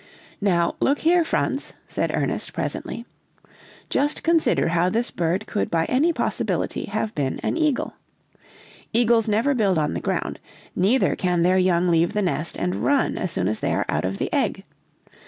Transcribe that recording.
"'Now look here, Franz,' said Ernest, presently, 'just consider how this bird could by any possibility have been an eagle. Eagles never build on the ground, neither can their young leave the nest and run as soon as they are out of the egg.